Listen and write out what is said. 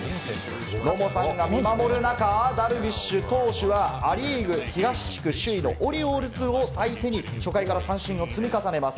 野茂さんが見守る中、ダルビッシュ投手はア・リーグ・東地区首位のオリオールズを相手に初回から三振を積み重ねます。